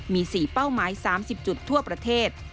มี๔เป้าหมาย๓๐จุดทั่วประเทศ